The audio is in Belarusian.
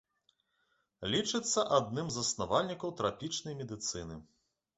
Лічыцца адным з заснавальнікаў трапічнай медыцыны.